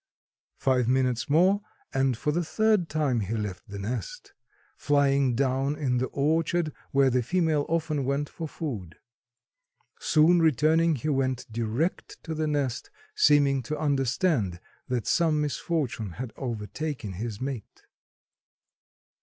Five minutes more and for the third time he left the nest, flying down in the orchard where the female often went for food. Soon returning he went direct to the nest, seeming to understand that some misfortune had overtaken his mate.